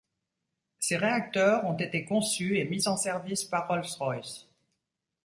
Ces réacteurs ont été conçus et mis en service par Rolls-Royce.